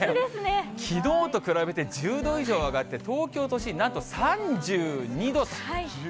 きのうと比べて１０度以上上がって、東京都心、なんと３２度と。